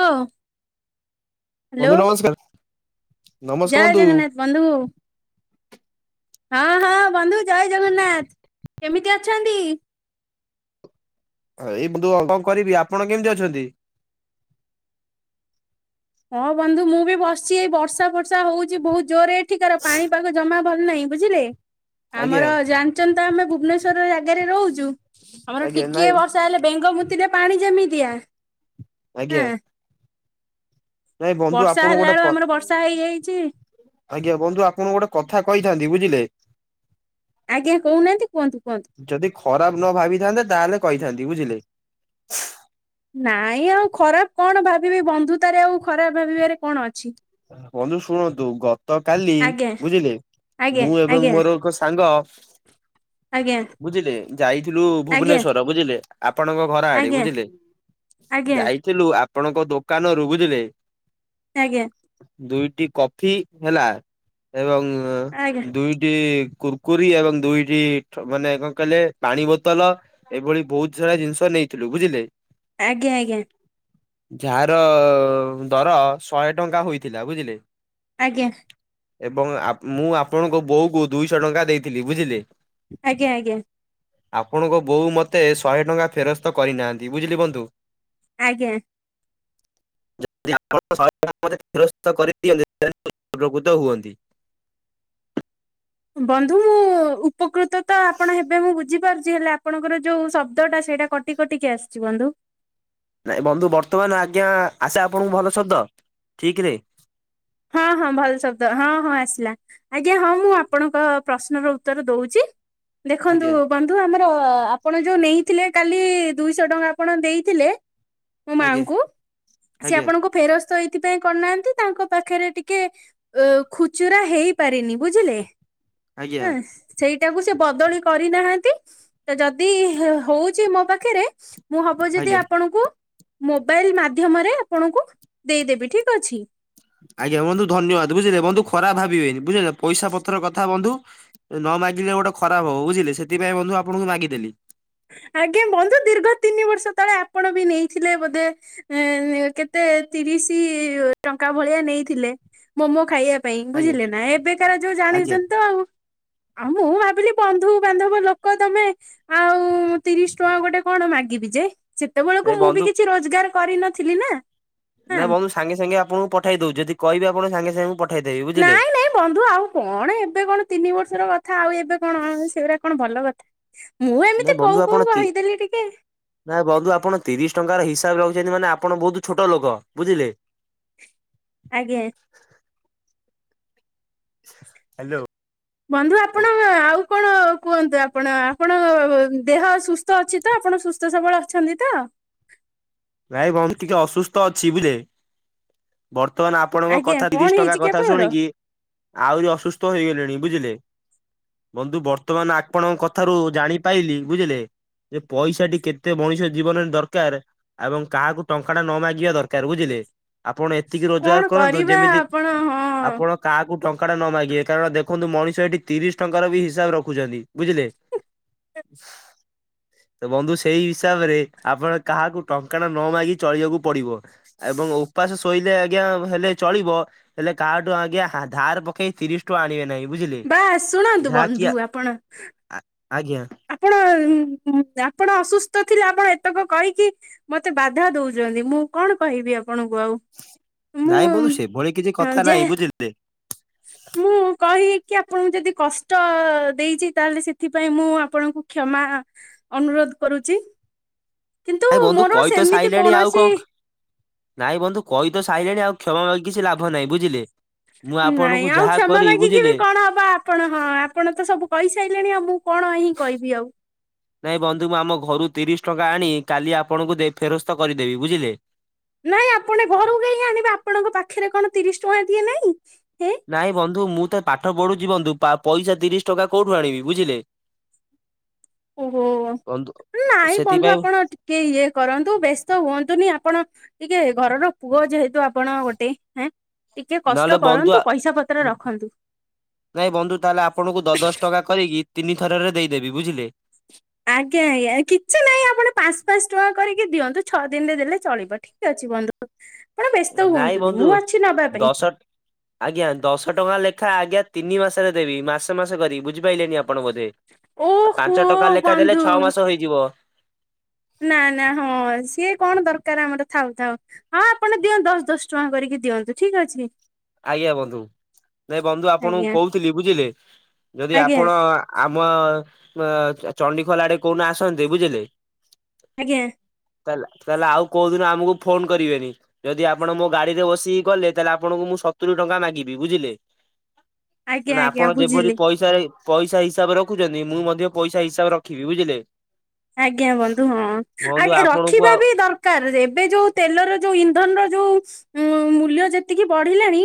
ହଁ ବନ୍ଧୁ ନମସ୍କାର। ନମସ୍କାର ଜୟ ବନ୍ଧୁ ଜଗନ୍ନାଥ ବନ୍ଧୁ। ହଁ ହଁ ବନ୍ଧୁ। ଜୟ ଜଗନ୍ନାଥ କେମିତି ଅଛନ୍ତି? ଏଇ ବନ୍ଧୁ [inaudible] କଣ କରିବି ଆପଣ କେମିତି ଅଛନ୍ତି? ହଁ ବନ୍ଧୁ ମୁଁ ବି ବସିଛି ଏଇ ବର୍ଷା ବର୍ଷା ହଉଛି ବହୁତ ଜୋରରେ ଏଠିକାର ପାଣିପାଗ ଜମା ଭଲ ନାହିଁ ବୁଝିଲେ, ଆଜ୍ଞା ଆମର ଜାଣିଛନ୍ତି ତ ଆମେ ଭୁବନେଶ୍ଵର ଜାଗାରେ ରହୁଛୁ। ଆମର ଆଜ୍ଞା ଟିକେ ନାଇଁ ବର୍ଷା ହେଲେ ବେଙ୍ଗ ମୁତିଲେ ପାଣି ଯେମିତିଆ ହଁ ଆଜ୍ଞା ନାଇଁ ବନ୍ଧୁ ବର୍ଷା ଆପଣଙ୍କୁ ହେଲା ଗୋଟେ ବେଳକୁ କ ଆମର ବର୍ଷା ହେଇଯାଇଛି ଆଜ୍ଞା ବନ୍ଧୁ ଆପଣ ଗୋଟେ କଥା କହିଥାନ୍ତି ବୁଝିଲେ। ଆଜ୍ଞା କହୁନାହାନ୍ତି କୁହନ୍ତୁ କୁହନ୍ତୁ। ଯଦି ଖରାପ ନ ଭାବିଥାନ୍ତେ ତାହେଲେ କହିଥାନ୍ତି ବୁଝିଲେ। ନାଇଁ ଆଉ ଖରାପ କଣ ଭାବିବି ବନ୍ଧୁତାରେ ଆଉ ଖରାପ ଭାବିବାରେ କଣ ଅଛି। ବନ୍ଧୁ ଶୁଣନ୍ତୁ ଗ ତ କାଲି ଆଜ୍ଞା ବୁଝିଲେ, ଆଜ୍ଞା ମୁ ଏବଂ ଆଜ୍ଞା ମୋର କ ସାଙ୍ଗ ଆଜ୍ଞା ବୁଝିଲେ ଯାଇଥିଲୁ ଆଜ୍ଞା ଆଜ୍ଞା। ଭୁବନେଶ୍ଵର ବୁଝିଲେ ଆପଣଙ୍କ ଘର ଆଡ଼େ ଆଜ୍ଞା ବୁଝିଲେ, ଆଜ୍ଞା ଯାଇଥିଲୁ ଆପଣଙ୍କ ଦୋକାନରୁ ବୁଝିଲେ ଆଜ୍ଞା ଦୁଇଟି କଫି ହେଲା ଏବଂ ଆଜ୍ଞା ଦୁଇଟି କୁର୍ କୁରି ଏବଂ ଦୁଇଟି ମାନେ କଣ କହିଲେ ପାଣି ବୋତଲ ଏଭଳି ବହୁତ ସାରା ଜିନିଷ ନେଇଥିଲୁ ବୁଝିଲେ। ଆଜ୍ଞା ଆଜ୍ଞା ଯାହାର ଦର ଶହେ ଟଙ୍କା ହୋଇଥିଲା ବୁଝିଲେ। ଆଜ୍ଞା ଏବଂ ମୁଁ ଆପଣଙ୍କ ବୋଉ କୁ ଦୁଇଶହ ଟଙ୍କା ଦେଇଥିଲି ବୁଝିଲେ। ଆଜ୍ଞା ଆଜ୍ଞା ଆପଣଙ୍କ ବୋଉ ମୋତେ ଶହେ ଟଙ୍କା ଫେରସ୍ତ କରିନାହାନ୍ତି ବୁଝିଲି ବନ୍ଧୁ। ଆଜ୍ଞା ଯ [inaudible] କାମରେ ଫେରସ୍ତ କରିକି ହେଲେ [unintelligible] ଉପକୃତ ହୁଅନ୍ତି। ବନ୍ଧୁ ମୁଁ ଉପକୃତ ତ ଆପଣ ହେବେ ମୁଁ ବୁଝିପାରୁଛି। ହେଲେ ଆପଣଙ୍କର ଯୋଉ ଶବ୍ଦ ଟା ସେଇଟା କଟି କଟିିକି ଆସିଛି ବନ୍ଧୁ। ନାଇଁ ବନ୍ଧୁ ବର୍ତ୍ତମାନ ଆଜ୍ଞା ଆସେ ଆପଣଙ୍କୁ ଭଲ ଶବ୍ଦ ଠିକ୍ ରେ। ହଁ ହଁ ଭଲ ଶବ୍ଦ ହଁ ହଁ ଆସିଲା। ଆଜ୍ଞା ହଁ ମୁଁ ଆପଣଙ୍କ ପ୍ରଶ୍ନର ଉତ୍ତର ଦଉଛି। ଦେଖନ୍ତୁ ଆଜ୍ଞା ବ ତୁ ଆମର ଆପଣ ଯୋଉ ନେଇଥିଲେ କାଲି ଦୁଇଶହ ଟଙ୍କା ଆପଣ ଦେଇଥିଲେ ମୋ ଆଜ୍ଞା ମାଙ୍କୁ ସେ ଆଜ୍ଞା ଆପଣଙ୍କ ଫେରସ୍ତ ଏଇଥିପାଇଁ କରିନାହାନ୍ତି ତାଙ୍କ ପାଖରେ ଟିକେ ଅ ଖୁଚୁରା ହେଇପାରିନି ବୁଝିଲେ ଆଜ୍ଞା ଆଁ। ସେଇଟାକୁ ସେ ବଦଳି କରିନାହାନ୍ତି। ତ ଯଦି ହଉଛି ମୋ ପାଖରେ ମୁଁ ହବ ଯଦି ଆଜ୍ଞା ଆପଣଙ୍କୁ ମୋବାଇଲ ମାଧ୍ୟମରେ ଆପଣଙ୍କୁ ଦେଇଦେବି ଠିକ୍ ଅଛି। ଆଜ୍ଞା ବନ୍ଧୁ ଧନ୍ୟବାଦ ବୁଝିଲେ ବନ୍ଧୁ ଖରାପ ଭାବିବେନି ବୁଝିଲେ, ପଇସା ପତ୍ର କଥା ବନ୍ଧୁ ନ ମାଗିଲେ ଗୋଟେ ଖରାପ ହବ। ବୁଝିଲେ ସେଥିପାଇଁ ବନ୍ଧୁ ଆପଣଙ୍କୁ ମାଗିଦେଲି। ଆଜ୍ଞା ବନ୍ଧୁ ଦୀର୍ଘ ତିନି ବର୍ଷ ତଳେ ଆପଣ ବି ନେଇଥିଲେ ବୋଧେ କେତେ ତିରିଶ ଟଙ୍କା ଭଳିଆ ନେଇଥିଲେ ମୋମୋ ଖାଇବା ପାଇଁ ଆଜ୍ଞା ବୁଝିଲେ, ନା ଏବେକାର ଯୋଉ ଆଜ୍ଞା ଜାଣିଛନ୍ତି ତ ଆଉ ଆଉ ମୁଁ ଭାବିଲି ବନ୍ଧୁ ବାନ୍ଧବ ଲୋକ ତମେ ଆଉ ମୁଁ ତିରିଶ ଟଙ୍କା ଗୋଟେ କଣ ମାଗିବି ଯେ, ଏ ସେତେବେଳକୁ ବନ୍ଧୁ ମୁଁବି କିଛି ରୋଜଗାର କରିନଥିଲି ନା ନା ହଁ ବନ୍ଧୁ ସାଙ୍ଗେ ସାଙ୍ଗେ ଆପଣଙ୍କୁ ପଠେଇ ଦଉଛି, ଯଦି କହିବେ ଆପଣ ସାଙ୍ଗେ ସାଙ୍ଗେ ମୁଁ ପ ନାଇଁ ନାଇଁ ବନ୍ଧୁ ଆଉ କଣ ଏବେ କଣ ତିନି ବର୍ଷର କଥା ଆଉ ଏବେ କଣ ସେଗୁଡ଼ା କଣ ଭଲ କଥା ମୁଁ ନାଇଁ ଏମିତି ବନ୍ଧୁ କହୁ ଆପଣ କହୁ ତି କହିଦେଲି ଟିକେ ନାଇଁ ବନ୍ଧୁ ଆପଣ ତିରିଶ ଟଙ୍କାର ହିସାବ ରଖୁଛନ୍ତି ମାନେ ଆପଣ ବହୁତ ଛୋଟ ଲୋକ ବୁଝିଲେ ଆଜ୍ଞା। ହ୍ୟାଲୋ। ବନ୍ଧୁ ଆପଣ ଆଉ କଣ କୁହନ୍ତୁ ଆପଣ ଆପଣଙ୍କ ଦେହ ସୁସ୍ଥ ସୁସ୍ଥ ଅଛି ତ ଆପଣ ସୁସ୍ଥ ସବଳ ଅଛନ୍ତି ତ? ନାଇ ବନ୍ଧୁ ଟିକେ ଅସୁସ୍ଥ ଅଛି ବୁଝିଲେ? ବର୍ତ୍ତମାନ ଆପଣଙ୍କ ଆଜ୍ଞା କଥା କଣ ତିରିଶ ଟଙ୍କା ହେଇଛି କି କଥା ଆପଣଙ୍କର ଶୁଣିକି ଆହୁରି ଅସୁସ୍ଥ ହେଇଗଲିଣି ବୁଝିଲେ ବନ୍ଧୁ ବର୍ତ୍ତମାନ ଆପଣଙ୍କ କଥାରୁ ଜାଣିପାଇଲିି ବୁଝିଲେ ଯେ ପଇସାଟି କେତେ ମଣିଷ ଜୀବନରେ ଦରକାର ଏବଂ କାହାକୁ ଟଙ୍କା ଟେ ନ ମାଗିବା ଦରକାର ବୁଝିଲେ? ଆପଣ ଏତିକି କଣ ରୋଜଗାର କରନ୍ତୁ କରିବା ଯେମିତି ଆପଣ ହଁ। ଆପଣ କାହାକୁ ଟଙ୍କା ଟେ ନ ମାଗିବେ କାରଣ ଦେଖନ୍ତୁ ମଣିଷ ଏଠି ତିରିଶ ଟଙ୍କାର ବି ହିସାବ ରଖୁଛନ୍ତି ବୁଝିଲେ? ତ ବନ୍ଧୁ ସେଇ ହିସାବରେ ଆପଣ କାହାକୁ ଟଙ୍କା ଟା ନ ମାଗି ଚଳିବାକୁ ପଡିବ ଏବଂ ଉପାସ ଶୋଇଲେ ଆଜ୍ଞା ହେଲେ ଚଳିବ ହେଲେ କାହାଠୁ ଆଜ୍ଞା ଧାର ପକେଇ ତିରିଶ ଆଣିବେ ନାହିଁ ବୁଝିଲି ବା ଶୁଣନ୍ତୁ ଯାହାକି ବନ୍ଧୁ ଆପଣ ଆଜ୍ଞା। ଆପଣ ଆପଣ ଅସୁସ୍ଥ ଥିଲେ ଆପଣ ଏତକ କହିକି ମତେ ବାଧା ଦଉଛନ୍ତି ମୁଁ କଣ କହିବି ଆପଣଙ୍କୁ ଆଉ ନାଇଁ ମୁଁ ମଧୁ ସେ ଭଳି କିଛି କଥା ଯେ ନାଇଁ ବୁଝିଲେ ମୁଁ କହିକି ଆପଣଙ୍କୁ ଯଦି କଷ୍ଟ ଦେଇଛି ତାହେଲେ ସେଥିପାଇଁ ମୁଁ ଆପଣଙ୍କୁ କ୍ଷମା ଅନୁରୋଧ କରୁଛି କିନ୍ତୁ ନାଇଁ ବନ୍ଧୁ ମୋର କହି ତ ସେମିତି ସାଇଲେଣି ଆଉ କୌଣସି କଣ ନାଇଁ ବନ୍ଧୁ କହି ତ ସାଇଲେଣି ଆଉ କ୍ଷମା ଲାଗ କିଛି ଲାଭ ନାହିଁ ବୁଝିଲେ? ମୁଁ ଆପଣଙ୍କୁ ନାଇଁ ଆଉ ଯାହା କ୍ଷମା କରିବି ମାଗିକି ବୁଝିଲେ। ବି କଣ ହବ ଆପଣ ହଁ ଆପଣ ତ ସବୁ କହିସାରିଲେଣି ଆଉ ମୁଁ କଣ ହିଁ କହିବି ଆଉ ନାଇଁ ବନ୍ଧୁ ମୁ ଆମ ଘରୁ ତିରିଶ ଟଙ୍କା ଆଣି କାଲି ଆପଣଙ୍କୁ ଫେରସ୍ତ କରିଦେବି ବୁଝିଲେ ନାଇଁ ଆପଣ ଘରୁ କାହିଁ ଆଣିବେ ଆପଣଙ୍କ ପାଖରେ କଣ ତିରିଶ ଟଙ୍କା ଟିଏ ନାଇଁ ହେ? ନାଇଁ ବନ୍ଧୁ ମୁଁ ତ ପାଠ ପଢୁଛିି ବନ୍ଧୁ ପଇସା ତିରିଶ ଟଙ୍କା କୋଉଠୁ ଆଣିବି ବୁଝିଲେ? ଓହୋ ବନ୍ଧୁ ନାଇଁ ବନ୍ଧୁ ସେଥିପାଇଁ ଆପଣ ଟେ ଇଏ କରନ୍ତୁ ବ୍ୟସ୍ତ ହୁଅନ୍ତୁନି ଆପଣ ଟିକେ ଘରର ପୁଅ ଯେହେତୁ ଆପଣ ଗୋଟେ ହେଁ ଟିକେ ନହେଲେ କଷ୍ଟ ବନ୍ଧୁ ଆ କରନ୍ତୁ ପଇସା ପତ୍ର ରଖନ୍ତୁ। ନାଇଁ ବନ୍ଧୁ ତାହେଲେ ଆପଣଙ୍କୁ ଦଶ ଦଶ ଟଙ୍କା କରିକି ତିନି ଥରରେ ଦେଇଦେବି ବୁଝିଲେ? ଆଜ୍ଞା ଆଜ୍ଞା କିଛି ନାହିଁ ଆପଣ ପାଞ୍ଚ ପାଞ୍ଚ ଟଙ୍କା କରିକି ଦିଅନ୍ତୁ ଛଅ ଦିନରେ ଦେଲେ ଚଳିବ ଠିକ ଠିକ ଅଛି ବନ୍ଧୁ ଆପଣ ବ୍ୟସ୍ତ ନାଇଁ ହୁଅନ୍ତୁନି ବନ୍ଧୁ ମୁଁ ଅଛି ନବା ପାଇଁ ଦଶ ଆଜ୍ଞା ଦଶ ଟଙ୍କା ଲେଖା ଆଜ୍ଞା ତିନି ମାସରେ ଦେବି ମାସେ ମାସେ କରି ବୁଝିପାରିଲେନି ଆପଣ ବୋଧେ? ଓହୋ ପାଞ୍ଚ ଟଙ୍କା ଲେଖା ଦେଲେ ବନ୍ଧୁ। ଛଅ ମାସ ହେଇଯିବ ନା ନା ହଁ ସିଏ କଣ ଦରକାର ଆମର ଥାଉ ଥାଉ ହଁ ଆପଣ ଦିଅନ୍ତୁ ଦଶ ଦଶ ଟଙ୍କା କରିକି ଦିଅନ୍ତୁ ଠିକ ଅଛି। ଆଜ୍ଞା ବନ୍ଧୁ ନାଇଁ ବନ୍ଧୁ ଆପଣଙ୍କୁ ଆଜ୍ଞା କହୁଥିଲି ବୁଝିଲେ ଯଦି ଆଜ୍ଞା ଆପଣ ଆମ ଚଣ୍ଡିଖୋଲା ଆଡେ କୋଉଦିନ ଆସନନ୍ତେ ବୁଝିଲେ ଆଜ୍ଞା। ତାେଲେ ତାହେଲେ ଆଉ କୋଉଦିନ ଆମକୁ ଫୋନ କରିବେନି ଯଦି ଆପଣ ମୋ ଗାଡି ରେ ବସିକି ଗଲେ ତାହେଲେ ଆପଣଙ୍କୁ ମୁଁ ସତୁରି ଟଙ୍କା ମାଗିବି ବୁଝିଲେ? ଆଜ୍ଞା ନା ଆଜ୍ଞା ଆପଣ ଯେପରି ବୁଝିଲି ପଇସାରେ ପଇସା ହିସାବରେ ରଖୁଚନ୍ତି ମୁଁ ମଧ୍ୟ ପଇସା ହିସାବରେ ରଖିବି ବୁଝିଲେ? ଆଜ୍ଞା ବନ୍ଧୁ ହଁ ବନ୍ଧୁ ଆଜ୍ଞା ଆପଣଙ୍କୁ ରଖିବା ଆଉ ବି ଦର କାର ଏବେ ଯୋଉ ତେଲର ଯୋଉ ଇନ୍ଧନ ର ଯୋଉ ମୂଲ୍ୟ ଯେତିକି ବଢିଲାଣି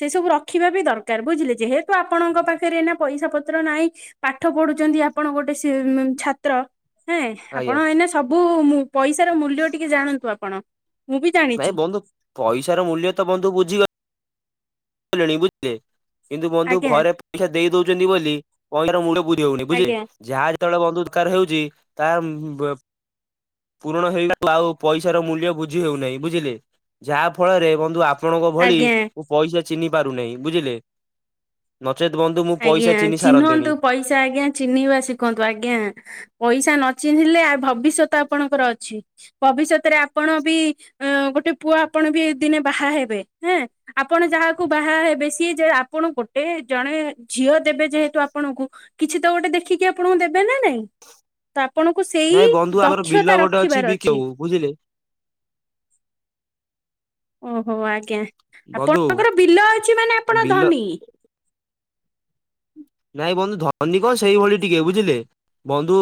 ସେ ସବୁ ରଖିବା ବି ଦରକାର ବୁଝିଲେ ଯେହେତୁ ଆପଣଙ୍କ ପାଖରେ ଏନା ପଇସା ପତ୍ର ନାଇଁ ପାଠ ପଢୁଚନ୍ତି ଆପଣ ଗୋଟେ ସି ଛାତ୍ର ହେଁ ଆଜ୍ଞା। ଆପଣ ଏଇନା ସବୁ ପଇସାର ମୂଲ୍ୟ ଟିକେ ଜାଣନ୍ତୁ ଆପଣ? ମୁଁ ବି ଜାଣିଛି ନାଇଁ ବନ୍ଧୁ ପଇସା ର ମୂଲ୍ୟ ତ ବନ୍ଧୁ ବୁଝିଗଲି ଲିନି ବୁଝିଲେ? କିନ୍ତୁ ବନ୍ଧୁ ଆଜ୍ଞା ଘରେ ପଇସା ଦେଇ ଦଉଚନ୍ତି ବୋଲି ପଇସାର ମୂଲ୍ୟ ବୁଝି ହଉନି ବୁଝିଲେ? ଆଜ୍ଞା ଯାହା ଯେତେବେଳେ ବନ୍ଧୁ ଦରକାର ହେଉଚି ତାହା ପୂରଣ ହେଇଗଲେ ଆଉ ପଇସାର ମୂଲ୍ୟ ବୁଝି ହେଉନାହିଁ ବୁଝିଲେ ଯାହା ଫଳରେ ବନ୍ଧୁ ଆପ ଆପଣଙ୍କ ଭଳି ଆଜ୍ଞା ମୁଁ ପଇସା ଚିହ୍ନି ପାରୁ ନେଇଁ ବୁଝିଲେ ନଚେତ୍ ବନ୍ଧୁମୁଁ ଆଜ୍ଞା ଚିହ୍ନନ୍ତୁ ପଇସା ଆଜ୍ଞା ଚିହ୍ନିବା ଶିଖନ୍ତୁ ଆଜ୍ଞା। ପଇସା ନଚିହ୍ନିଲେ ଭବିଷ୍ୟତ ଆପଣଙ୍କର ଅଛି। ଭବିଷ୍ୟତରେ ଆପଣ ବି ଗୋଟେ ପୁଅ ଆପଣ ବି ଦିନେ ବାହା ହେବେ ହେଁ। ଆପଣ ଯାହାକୁ ବାହା ହେବେ ସିଏ ଯେ ଆପଣ ଗୋଟେ ଜଣେ ଝିଅ ଦେବେ ଯେହେତୁ ଆପଣଙ୍କୁ କିଛି ତ ଗୋଟେ ଦେଖିକି ଆପଣଙ୍କୁ ଦେବେ ନା ନାଇଁ? ତ ଆପଣଙ୍କୁ ସେଇ ନାଇଁ ବନ୍ଧୁ ଆମର ବିଲ ଦକ୍ଷତା ଗୋଟେ ରଖିବାର ବିକିବାକୁ ଅଛି। ବୁଝିଲେ? ଓହୋ ଆଜ୍ଞା ବନ୍ଧୁ ଆପଣଙ୍କର ବିଲ ଅଛି ମାନେ ଆପଣ ବିଲ ଧନୀ। ନାଇଁ ବନ୍ଧୁ ଧନୀ କଣ ସେଇଭଳି ଟିକେ ବୁଝିଲେ ବନ୍ଧୁ।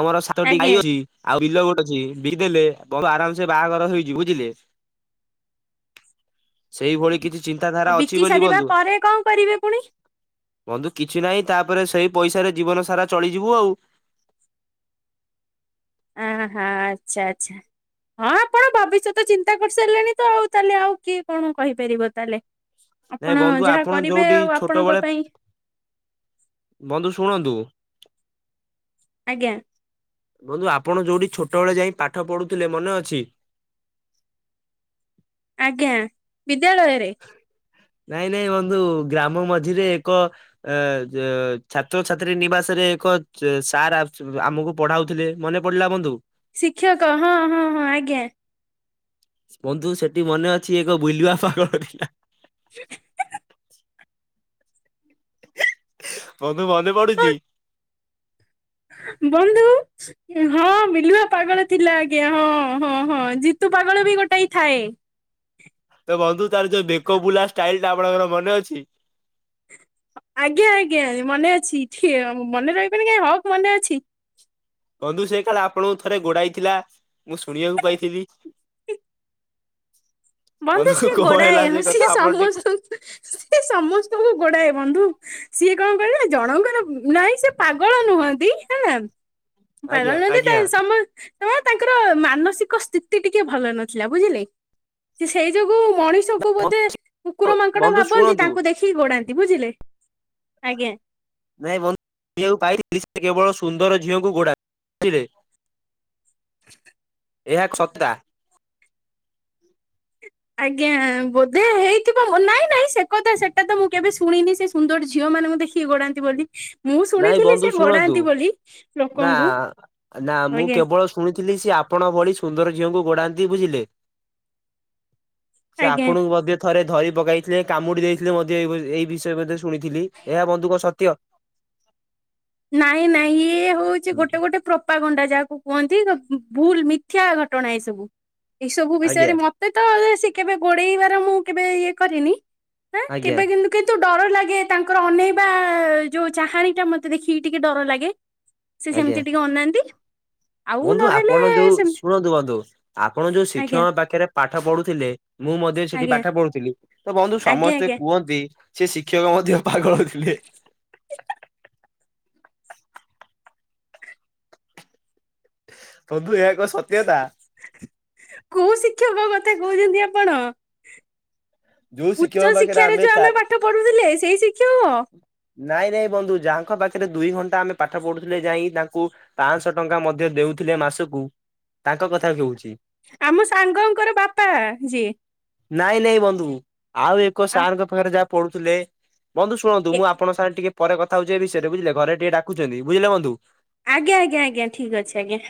ଆମର ସାତଟି ଆଜ୍ଞା। ଗାଈ ଅଛି ଆଉ ବିଲ ଗୋଟ ଅଛି ବିକି ଦେଲେ ବନ୍ଧୁ ଆରାମସେ ବାହାଘର ହେଇଯିବ ବୁଝିଲେ? ସେଇଭଳି କିଛି ଚିନ୍ତାଧାରା ଅଛି ବୋଲି ବନ୍ଧୁ ହେ କଣ କରିବେ ପୁଣି? ବନ୍ଧୁ କିଛି ନାଇଁ ତାପରେ ସେଇ ପଇସାରେ ଜୀବନ ସାରା ଚଳିଯିବୁ ଆଉ। ଆ ହା ଆଚ୍ଛା ଆଚ୍ଛା। ହଁ ଆପଣ ଭବିଷ୍ୟତ ଚିନ୍ତା କରିସାରିଲେଣି ତ ଆଉ ତାହେଲେ ଆଉ କିଏ କଣ କହିପାରିବ ତାହେଲେ। ନାଇଁ ଆପଣ ବନ୍ଧୁ ଯାହା ଆପଣ କରିବେ ଯୋଉଠି ଆଉ ଆପଣଙ୍କ ଛୋଟବେଳେ ପାଇଁ ବନ୍ଧୁ ଶୁଣନ୍ତୁ। ଆଜ୍ଞା। ବନ୍ଧୁ ଆପଣ ଯୋଉଠି ଛୋଟବେଳେ ଯାଇ ପାଠ ପଢ଼ୁଥିଲେ ମନେ ଅଛି? ଆଜ୍ଞା ବିଦ୍ୟାଳୟରେ। ନାଇଁ ନାଇଁ ବନ୍ଧୁ ଗ୍ରାମ ମଝିରେ ଏକ ଏ ଯେ ଛାତ୍ରଛାତ୍ରୀ ନିବାସରେ ଏକ ସାର ଆସୁ ଆମକୁ ପଢାଉଥିଲେ ମନେ ପଡିଲା ବନ୍ଧୁ? ଶିକ୍ଷକ ହଁ ହଁ ହଁ ଆଜ୍ଞା। ବନ୍ଧୁ ସେଠି ମନେ ଅଛି ଏକ ବିଲୁଆ ପାଗଳ ଥିଲା? [unintelligible] ବନ୍ଧୁ ମନେ ହଁ ପଡୁଚି? ବନ୍ଧୁ। ହଁ ବିଲୁଆ ପାଗଳ ଥିଲା ଆଜ୍ଞା ହଁ ହଁ ହଁ ଜିତୁ ପାଗଳ ବି ଗୋଟାଏ ଥାଏ? ତ ବନ୍ଧୁ ତାର ଯୋଉ ବେକ ବୁଲା ଷ୍ଟାଇଲି ଟା ଆପଣଙ୍କର ମନେ ଅଛି? ଆଜ୍ଞା ଆଜ୍ଞା ମନେ ଅଛି ଠିୟ ମନେ ରହିବନି କାଇଁ ହକ୍ ମନେ ଅଛି। ବନ୍ଧୁ ସେ କାଳେ ଆପଣଙ୍କୁ ଥରେ ଗୋଡାଇଥିଲା ମୁଁ ଶୁଣିବାକୁ ପାଇଥିଲି? ବନ୍ଧୁ ସିଏ କଣ ହେଲା ଗୋଡାଏ ସେ କଥା ସିଏ ଆପଣ ଟିକେ ସମସ୍ତଙ୍କୁ ସିଏ ସମସ୍ତଙ୍କୁ ଗୋଡାଏ ବନ୍ଧୁ। ସିଏ କଣ କହିଲ ଜଣଙ୍କର, ନାଇଁ ସେ ପାଗଳ ନୁହନ୍ତି ହେଲା। ପାଗଳ ଆଜ୍ଞା ନୁହଁନ୍ତି ତ ଆଜ୍ଞା। ସମ ହଁ ତାଙ୍କର ମାନସିକ ସ୍ଥିତି ଟିକେ ଭଲ ନଥିଲା ବୁଝିଲେ। ସେଇ ଯୋଗୁ ମଣିଷ କୁ ବୋଧେ କୁକୁର ମାଙ୍କଡ ବନ୍ଧୁ ଭାବନ୍ତି, ଶୁଣନ୍ତୁ ତାଙ୍କୁ ଦେଖ ଖି ଗୋଡାନ୍ତି ବୁଝିଲେ। ଆଜ୍ଞା। ନାଇଁ ବନ୍ଧୁ [unintelligible] ପାଇଥିଲି ସେ କେବଳ ସୁନ୍ଦର ଝିଅକୁ ଗୋଡା [unintelligible] ବୁଝିଲେ। [inaudible] [inaudible] ଏହା। [inaudible] ଆଜ୍ଞା ବୋଧେ ହେଇଥିବ [unintelligible] ନାଇଁ ନାଇଁ ସେ କଥା ସେଟା ତ ମୁଁ କେବେ ଶୁଣିନି, ସେ ସୁନ୍ଦର ଝିଅ ମାନଙ୍କୁ ଦେଖିକି ଗୋଡାନ୍ତି ବୋଲି। ମୁଁ ନାଇଁ ଶୁଣିଥିଲି ବନ୍ଧୁ ସେ ଶୁଣନ୍ତୁ ଘୋଡାନ୍ତି ବୋଲି ନା ଲୋକଙ୍କୁ। ନା ମୁଁ ଆଜ୍ଞା। କେବଳ ଶୁଣିଥିଲି ସେ ଆପଣ ଭଳି ସୁନ୍ଦର ଝିଅଙ୍କୁ ଗୋଡାନ୍ତି ବୁଝିଲେ। ସେ ଆଜ୍ଞା। ଆପଣଙ୍କୁ ମଧ୍ୟ ଥରେ ଧରି ପକେଇଥିଲେ କାମୁଡି ଦେଇଥିଲେ ମଧ୍ୟ [unintelligible] ଏଇ ବିଷୟରେ ମଧ୍ୟ ଶୁଣିଥିଲି। ଏହା ବନ୍ଧୁଙ୍କ କଣ ସତ୍ୟ? ନାଇଁ ନାଇଁ ଇଏ ହଉଛି ଗୋଟେ ଗୋଟେ ପ୍ରପା ଗଣ୍ଡା, ଯାହାକୁ କୁହନ୍ତି [unintelligible] ଭୁଲ ମିଥ୍ୟା ଘଟଣା ଏଇସବୁ। ଏଇ ସବୁ ଆଜ୍ଞା ବିଷୟରେ ମତ ତ କେବେ ଗୋଡେଇବାର ମୁଁ କେବେ ଇଏ କରିନି। [unintelligible] ଆଜ୍ଞା କେବେ କିନ୍ତୁ କିନ୍ତୁ ଡର ଲାଗେ ତାଙ୍କର ଅନେଇବା ଯୋଉ ଚାହାଣୀ ଟା ମତେ ଦେଖିକି ଟିକେ ଡର ଲାଗେ। ସେ ଆଜ୍ଞା ସେମିତି ଟିକେ ଅନାନ୍ତି। ଆଉ ବନ୍ଧୁ ନହେଲେ ଆପଣ ଯୋଉ ସେମତି ଶୁଣନ୍ତୁ ବନ୍ଧୁ, ଆପଣ ଯୋଉ ଆଜ୍ଞା ଶିକ୍ଷକ ପାଖରେ ପାଠ ପଢୁଥିଲେ ମୁଁ ମଧ୍ୟ ସେଠି ଆଜ୍ଞା ପାଠ ପଢୁଥିଲି। ତ ବନ୍ଧୁ ଆଜ୍ଞା ସମସ୍ତେ ଆଜ୍ଞା। କୁହନ୍ତି ସେ ଶିକ୍ଷକ ମଧ୍ୟ ପାଗଳ ଥିଲେ। ବନ୍ଧୁ ଏହା ଏକ ସତ୍ୟତା। କୋଉ ଶିକ୍ଷକ କଥା କହୁଛନ୍ତି ଆପଣ? ଯୋଉ ଉଚ୍ଚ ଶିକ୍ଷକଙ୍କ ପାଖରେ ଶିକ୍ଷାରେ ଯୋଉ ଚା ଆମେ ପାଠ ପଢୁଥିଲେ ସେଇ ଶିକ୍ଷକ। ନାଇଁ ନାଇଁ ବନ୍ଧୁ ଯାହାଙ୍କ ପାଖରେ ଦୁଇ ଘଣ୍ଟା ଆମେ ପାଠ ପଢୁଥିଲେ ଯାଇ ତାଙ୍କୁ ପାଞ୍ଚଶହ ଟଙ୍କା ମଧ୍ୟ ଦେଉଥିଲେ ମାସକୁ ତାଙ୍କ କଥା କହୁଛି। ଆମ ସାଙ୍ଗଙ୍କର ବାପା ଯିଏ। ନାଇଁ ନାଇଁ ବନ୍ଧୁ ଆଉ ଏକ ଆ ସାରଙ୍କ ପାଖରେ ଯାହା ପଢୁଥିଲେ। ବନ୍ଧୁ ଶୁଣନ୍ତୁ ଏ ମୁଁ ଆପଙ୍କ ସାଙ୍ଗ ଟିକେ ପରେ କଥା ହଉଛି ଏ ବିଷୟରେ ବୁଝିଲେ ଘରେ ଟିକେ ଡାକୁଛନ୍ତି ବୁଝିଲେ ବନ୍ଧୁ। ଆଜ୍ଞ ଆଜ୍ଞ ଆଜ୍ଞା ଠିକ ଅଛି ଆଜ୍ଞା।